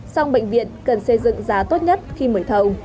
song bệnh viện cần xây dựng giá tốt nhất khi mời thầu